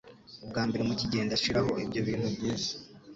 Ubwa mbere mukigenda shiraho ibyo bintu byiza